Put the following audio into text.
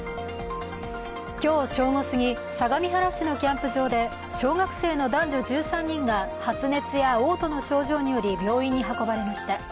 今日正午すぎ、相模原市のキャンプ場で小学生の男女１３人が発熱やおう吐の症状により病院に運ばれました